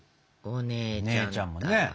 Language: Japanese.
姉ちゃんもね。